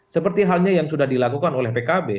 seperti halnya yang sudah dilakukan oleh pkb